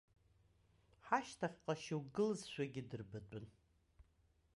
Ҳашьҭахьҟа шьоук гылазшәагьы дырбатәын.